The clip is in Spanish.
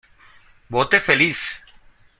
Vote Feliz".